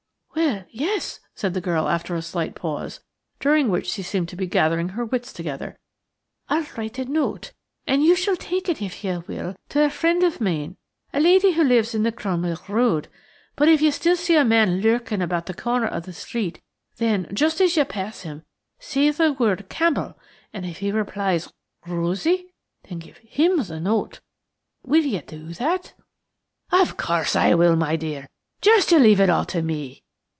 "Well, yes," said the girl, after a slight pause, during which she seemed to be gathering her wits together; "I'll write a note, and you shall take it, if you will, to a friend of mine–a lady who lives in the Cromwell Road. But if you still see a man lurking about at the corner of the street, then, just as you pass him, say the word 'Campbell,' and if he replies 'Rosie,' then give him the note. Will you do that?" "Of course I will, my dear. Just you leave it all to me."